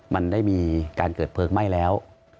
มันได้มีการเกิดเพลิงไหม้แล้ว